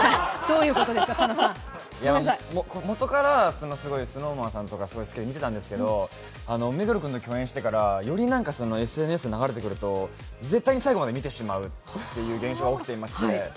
いや、もとからすごいＳｎｏｗＭａｎさんとか好きで見てたんですけど目黒君と共演してからよりＳＮＳとかで流れてくると、絶対に最後まで見てしまうという現象が起きてまして。